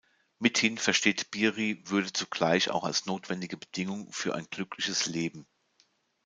Mithin versteht Bieri Würde zugleich auch als notwendige Bedingung für ein glückliches Leben.